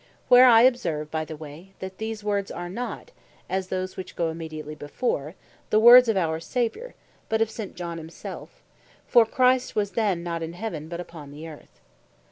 Where I observe by the way, that these words are not, as those which go immediately before, the words of our Saviour, but of St. John himself; for Christ was then not in Heaven, but upon the Earth.